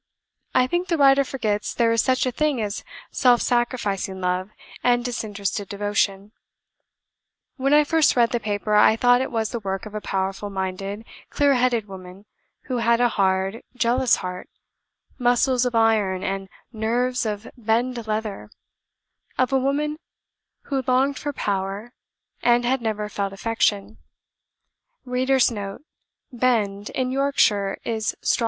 I think the writer forgets there is such a thing as self sacrificing love and disinterested devotion. When I first read the paper, I thought it was the work of a powerful minded, clear headed woman, who had a hard, jealous heart, muscles of iron, and nerves of bend[*] leather; of a woman who longed for power, and had never felt affection.